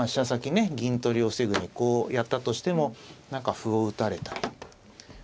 先ね銀取りを防ぐのにこうやったとしても何か歩を打たれたり。